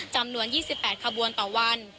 จำนวน๒๘ขบวนต่อวัน